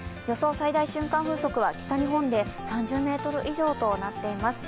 最大瞬間風速は、北日本で３０メートル以上となっています。